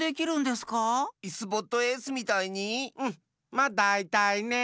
まだいたいねえ！